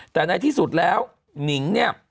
แต่ในที่สุดแล้วหนิงเนี่ย